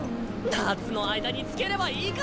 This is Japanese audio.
夏の間に着ければいいか！